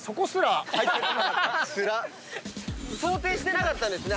想定してなかったんですね